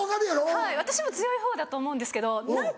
はい私も強いほうだと思うんですけど何か。